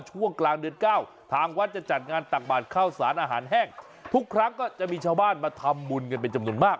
ช่วงกลางเดือนเก้าทางวัดจะจัดงานตักบาทข้าวสารอาหารแห้งทุกครั้งก็จะมีชาวบ้านมาทำบุญกันเป็นจำนวนมาก